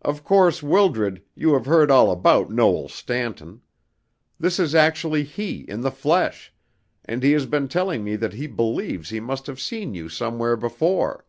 Of course, Wildred, you have heard all about Noel Stanton. This is actually he in the flesh, and he has been telling me that he believes he must have seen you somewhere before."